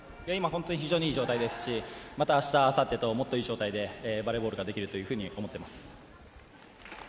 非常に良い状態ですし明日、あさってといい状態でバレーボールができると思っています。